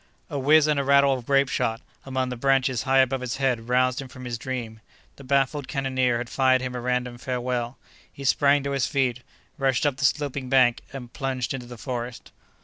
A whiz and a rattle of grapeshot among the branches high above his head roused him from his dream. The baffled cannoneer had fired him a random farewell. He sprang to his feet, rushed up the sloping bank, and plunged into the forest.